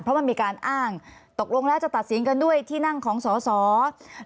เพราะมันมีการอ้างตกลงแล้วจะตัดสินกันด้วยที่นั่งของสอสอ